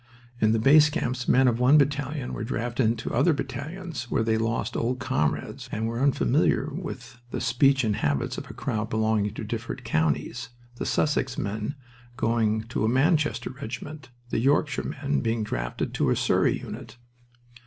In the base camps men of one battalion were drafted into other battalions, where they lost their old comrades and were unfamiliar with the speech and habits of a crowd belonging to different counties, the Sussex men going to a Manchester regiment, the Yorkshire men being drafted to a Surrey unit.